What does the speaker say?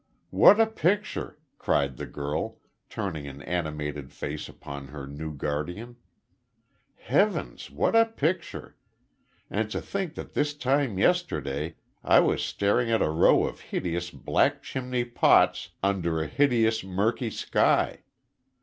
"What a picture!" cried the girl, turning an animated face upon her new guardian. "Heavens, what a picture! And to think that this time yesterday I was staring at a row of hideous black chimney pots under a hideous murky sky.